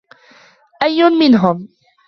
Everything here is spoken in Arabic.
أيّ منهم؟